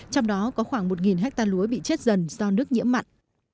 trong đó có khoảng một hectare lúa bị chết dần do nước nhiễm mặn